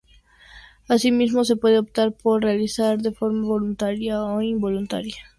Asimismo se puede optar por realizar de forma voluntaria o involuntaria.